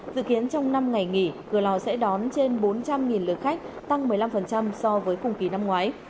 dự kiến trong năm ngày nghỉ cửa lò sẽ đón trên bốn trăm linh lượt khách tăng một mươi năm so với cùng kỳ năm ngoái